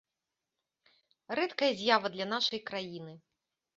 Рэдкая з'ява для нашай краіны.